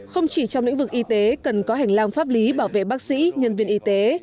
không chỉ trong lĩnh vực y tế cần có hành lang pháp lý bảo vệ bác sĩ nhân viên y tế